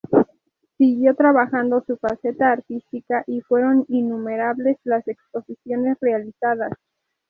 Siguió trabajando su faceta artística y fueron innumerables las exposiciones realizadas.